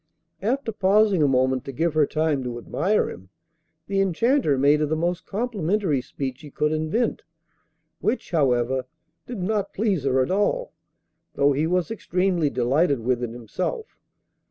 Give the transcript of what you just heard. After pausing a moment to give her time to admire him, the Enchanter made her the most complimentary speech he could invent, which, however, did not please her at all, though he was extremely delighted with it himself.